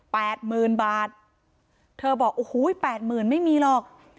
หมื่นบาทเธอบอกโอ้โหแปดหมื่นไม่มีหรอก